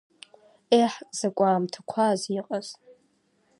Еҳ, закә аамҭақәаз иҟаз!